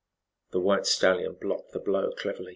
The white stallion blocked the blow cleverly.